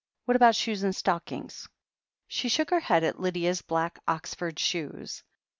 What about shoes and stockings ?" She shook her head at Lydia's black Oxford shoes.